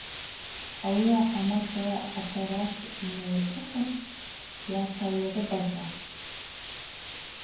Ауи ахӏамач атарашв айыркӏыхын йатайрыбагъьахтӏ.